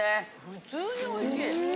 普通においしい。